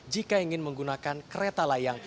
jika ingin menggunakan kereta layang